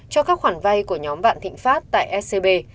cho các khoản vay của nhóm vạn thịnh pháp tại scb